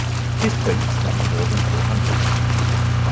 His prints number more than four hundred.